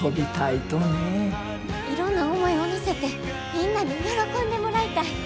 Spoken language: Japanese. いろんな思いを乗せてみんなに喜んでもらいたい。